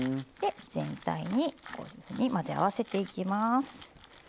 全体に混ぜ合わせていきます。